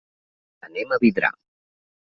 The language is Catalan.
Anem a Vidrà.